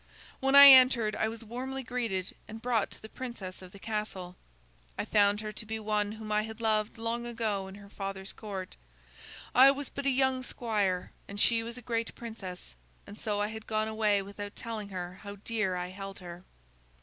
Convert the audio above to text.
When I entered, I was warmly greeted and brought to the princess of the castle. I found her to be one whom I had loved long ago in her father's court. I was but a young squire and she was a great princess, and so I had gone away without telling her how dear I held her.